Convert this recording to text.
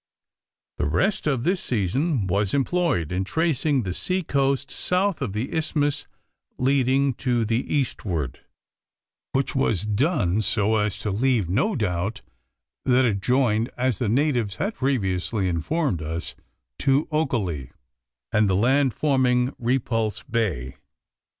The rest of this season was employed in tracing the sea coast south of the isthmus leading to the eastward, which was done so as to leave no doubt that it joined, as the natives had previously informed us, to Ockullee, and the land forming Repulse Bay.